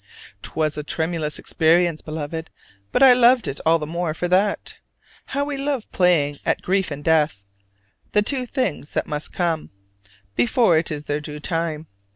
'Twas a tremulous experience, Beloved; but I loved it all the more for that. How we love playing at grief and death the two things that must come before it is their due time!